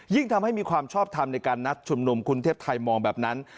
ยิ่งทำให้มีความชอบทำในการนัดชุมนุมคุณเทพไทยมองแบบนั้น